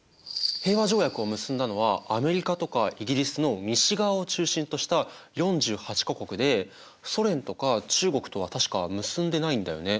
平和条約を結んだのはアメリカとかイギリスの西側を中心とした４８か国でソ連とか中国とは確か結んでないんだよね。